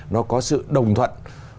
nó có sự đồng thuận